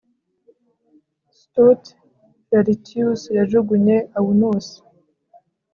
Stout Lartius yajugunye Aunus